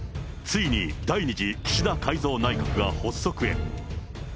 ついに、第２次岸田改造内閣が発足へ。